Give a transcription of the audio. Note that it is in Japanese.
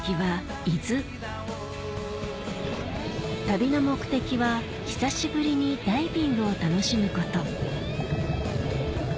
旅の目的は久しぶりにダイビングを楽しむこと